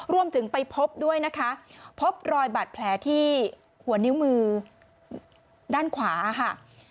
รวมถึงไปพบด้วยนะคะพบรอยบาดแผลที่หัวนิ้วมือด้านขวาค่ะ